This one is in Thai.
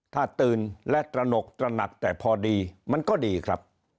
ถ้าตื่นและตระหนกตระหนักแต่พอดีมันก็ดีครับ